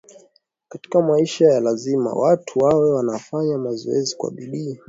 katika maisha lazima watu wawe wanafanya mazoezi kwa bidii